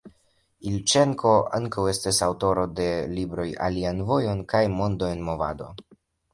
Ilĉenko ankaŭ estas aŭtoro de libroj «Alian vojon» kaj «Mondo en movado».